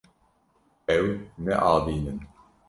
Ew naavînin.